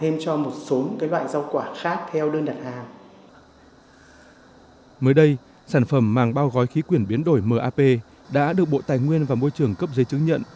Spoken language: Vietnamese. mới đây sản phẩm màng bao gói khí quyển biến đổi map đã được bộ tài nguyên và môi trường cấp giấy chứng nhận